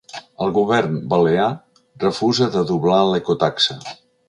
El govern balear refusa de doblar l’ecotaxa.